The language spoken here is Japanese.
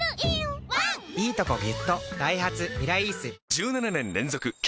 １７年連続軽